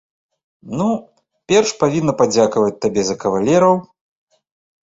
Ну, перш павінна падзякаваць табе за кавалераў.